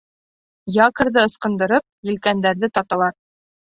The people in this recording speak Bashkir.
Якорҙы ысҡындырып, елкәндәрҙе тарталар.